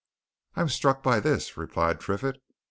"I'm struck by this," replied Triffitt.